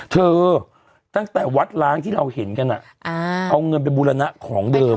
ตั้งแต่วัดล้างที่เราเห็นกันเอาเงินไปบูรณะของเดิม